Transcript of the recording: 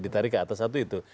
ditarik ke atas satu itu